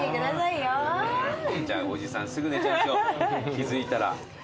気付いたら。